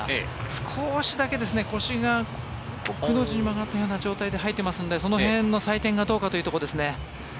少しだけ腰が、くの字に曲がったような状態で入っていますのでその辺の採点がどうかというところですね。